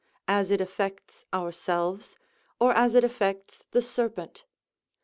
as it affects ourselves, or as it affects the serpent?